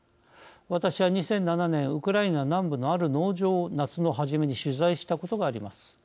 私は、２００７年ウクライナ南部のある農場を夏の初めに取材したことがあります。